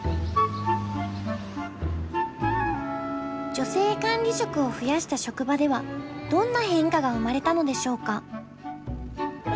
女性管理職を増やした職場ではどんな変化が生まれたのでしょうか？